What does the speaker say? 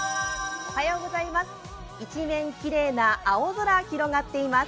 一面きれいな青空広がっています。